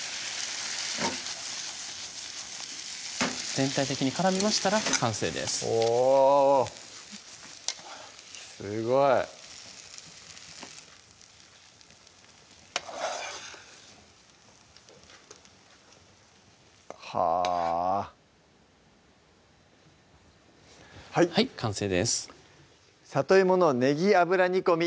全体的に絡みましたら完成ですおすごいはぁはい完成です「里芋のねぎ油煮込み」